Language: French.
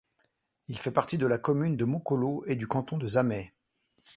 Il fait partie de la commune de Mokolo et du canton de Zamai.